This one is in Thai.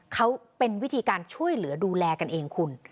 เขาเป็นวิธีการช่วยเหลือดูแลกันเองคุณ